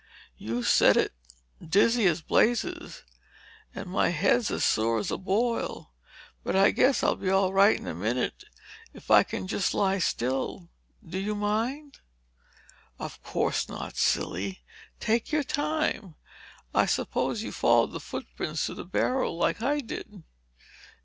"You said it! Dizzy as blazes—and my head's as sore as a boil. But I guess I'll be all right in a minute if I can just lie still. Do you mind?" "Of course not, silly. Take your time. I suppose you followed the footprints to the barrel, like I did."